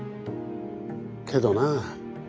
けどな